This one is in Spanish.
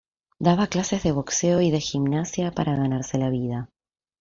Daba clases de boxeo y de gimnasia para ganarse la vida.